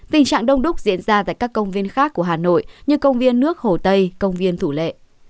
tình trạng đông đúc diễn ra tại các công viên khác của hà nội như công viên nước hồ tây công viên thủ lệ